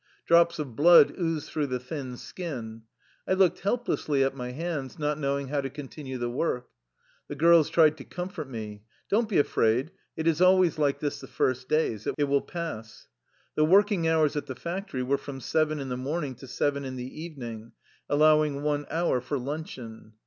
Drops of blood oozed through the thin skin. I looked helplessly at my hands, not knowing how to con tinue the work. The girls tried to comfort me: " Don't be afraid, it is always like this the first days. It will pass." The working hours at the factory were from seven in the morning to seven in the evening, allowing one hour for luncheon.